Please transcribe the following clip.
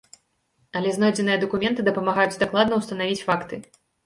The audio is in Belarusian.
Але знойдзеныя дакументы дапамагаюць дакладна ўстанавіць факты.